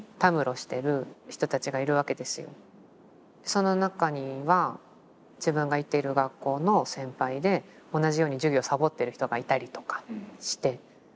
その中には自分が行っている学校の先輩で同じように授業サボってる人がいたりとかして。